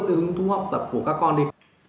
cái hứng thú học tập của các con đi